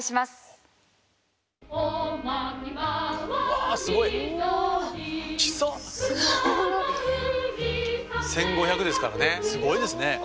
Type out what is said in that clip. すごいですね。